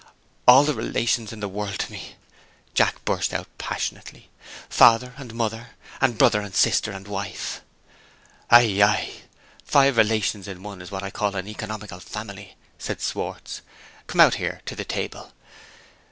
"All the relations in the world to me!" Jack burst out passionately. "Father and mother and brother and sister and wife." "Aye, aye? Five relations in one is what I call an economical family," said Schwartz. "Come out here, to the table.